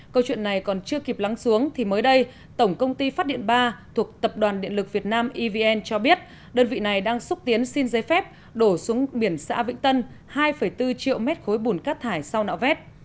câu chuyện này còn chưa kịp lắng xuống thì mới đây tổng công ty phát điện ba thuộc tập đoàn điện lực việt nam evn cho biết đơn vị này đang xúc tiến xin giấy phép đổ xuống biển xã vĩnh tân hai bốn triệu mét khối bùn cát thải sau nạo vét